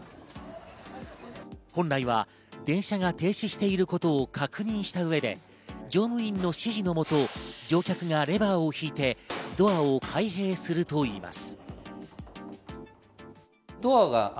本来は電車が停止していることを確認した上で乗務員の指示のもと乗客がレバーを引いてドアを開閉するといいます。